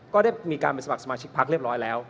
ก็ได้มีการเป็นสมัครสมาชิกพักเรียบร้อยแล้ว